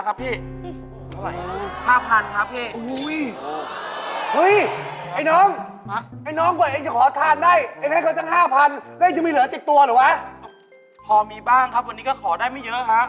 อย่าไปหยับรถให้ก่อนได้ไหมฮะ